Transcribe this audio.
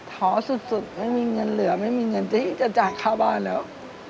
ท้อสุดไม่มีเงินเหลือไม่มีเงินที่จะจ่ายค่าบ้านแล้ว